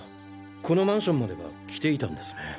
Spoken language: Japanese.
このマンションまでは来ていたんですね。